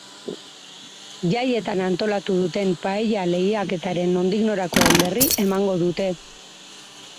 Jaietan antolatu duten paella lehiaketaren nondik norakoen berri emango dute.